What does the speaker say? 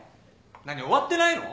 何終わってないの？